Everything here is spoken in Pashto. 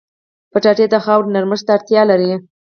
کچالو د خاورې نرمښت ته اړتیا لري